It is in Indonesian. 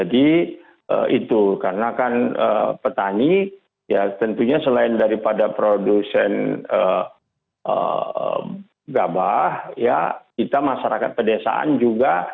jadi itu karena kan petani ya tentunya selain daripada produsen gabah ya kita masyarakat pedesaan juga